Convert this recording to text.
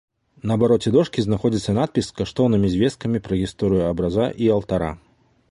На абароце дошкі знаходзіцца надпіс з каштоўнымі звесткамі пра гісторыю абраза і алтара.